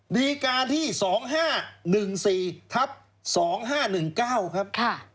ดีการที่๒๕๑๔ทับ๒๕๑๙ครับ